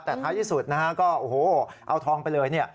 แต่ท้ายที่สุดก็เอาทองไปเลย